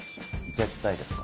絶対ですか？